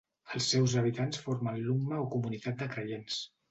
Els seus habitants formen l'Umma o comunitat de creients.